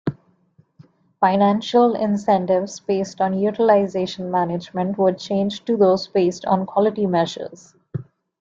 Financial incentives based on utilization management were changed to those based on quality measures.